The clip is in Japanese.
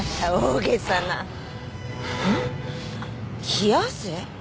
冷や汗？